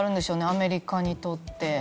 アメリカにとって。